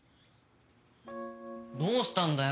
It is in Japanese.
どうしたんだよ？